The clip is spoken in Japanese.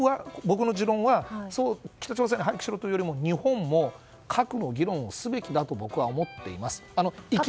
僕の持論は北朝鮮に廃棄しろというよりも日本も核の議論をすべきだと僕は思っています。